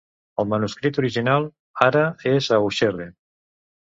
El manuscrit original ara és a Auxerre.